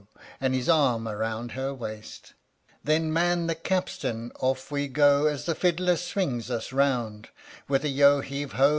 And his arm around her waist ! Then man the capstan off we go, As the fiddler swings us round, With a " yeo heave ho